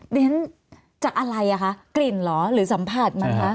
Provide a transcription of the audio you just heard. ดังนั้นจากอะไรอะคะกลิ่นหรอหรือสัมภาษณ์มั้ยคะ